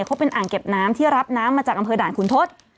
เขาเป็นอ่างเก็บน้ำที่รับน้ำมาจากอำเภอด่านขุนทศ